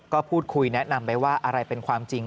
ก็พูดคุยแนะนำไปว่าอะไรเป็นความจริง